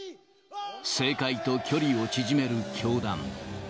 政界と距離を縮める教団。